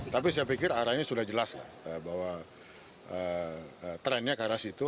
tapi saya pikir arahnya sudah jelas bahwa trennya ke arah situ